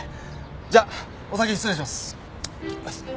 じゃあお先に失礼します。